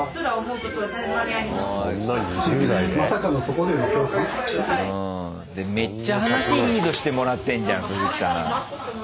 うんでめっちゃ話リードしてもらってんじゃんすずきさん。